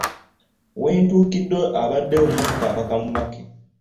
We ntuukiddewo abadde omukka abaka mubake.